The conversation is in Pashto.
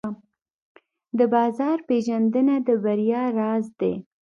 د بازار پېژندنه د بریا راز دی.